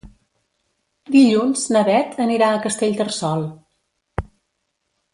Dilluns na Beth anirà a Castellterçol.